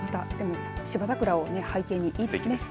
芝桜を背景にすてきですね。